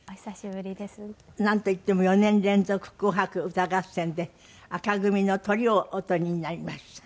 なんといっても４年連続『紅白歌合戦』で紅組のトリをお取りになりました。